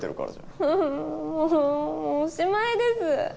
んんもうおしまいです。